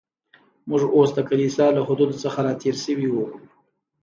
موږ اوس د کلیسا له حدودو څخه را تېر شوي و.